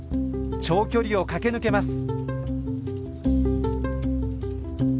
長距離を駆け抜けます。